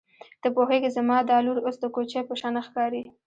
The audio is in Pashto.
ته پوهېږې زما دا لور اوس د کوچۍ په شان ښکاري.